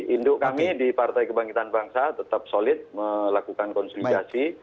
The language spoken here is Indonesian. induk kami di partai kebangkitan bangsa tetap solid melakukan konsolidasi